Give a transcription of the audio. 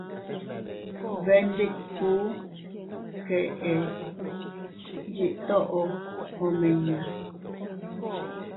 Bee ndikku keʼe yiʼi toʼo omiña.